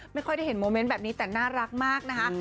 ไม่ค่อยได้เห็นโมเมนต์แบบนี้แต่น่ารักมากนะคะ